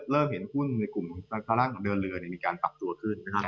เริ่มเห็นหุ้นหลวงพระร่างเป็นการปรับตัวขึ้น